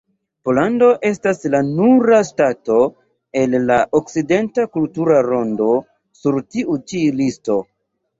Pollando estas la nura ŝtato el la okcidenta kultura rondo sur tiu ĉi listo.